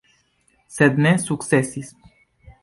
Sed ne sukcesis.